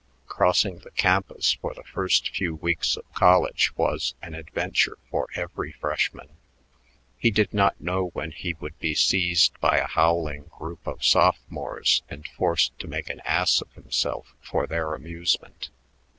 Crossing the campus for the first few weeks of college was an adventure for every freshman. He did not know when he would be seized by a howling group of sophomores and forced to make an ass of himself for their amusement.